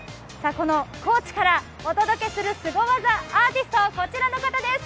この高知からお届けするすご技アーティストはこちらの方です。